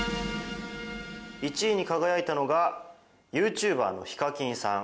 １位に輝いたのがユーチューバーのＨＩＫＡＫＩＮさん。